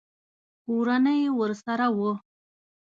کورنۍ ورسره وه.